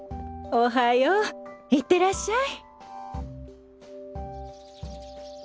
おはよう行ってらっしゃい。